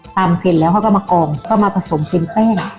เสร็จแล้วเขาก็มากองก็มาผสมเป็นแป้ง